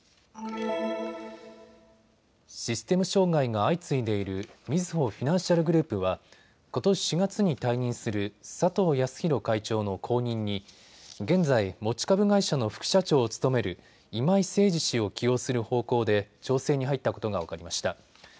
システム障害が相次いでいるみずほフィナンシャルグループはことし４月に退任する佐藤康博会長の後任に現在、持ち株会社の副社長を務める今井誠司氏を起用する方向で調整に入ったことが分かりました。